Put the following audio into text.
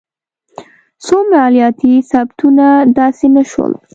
خو مالیاتي ثبتونه داسې نه شول.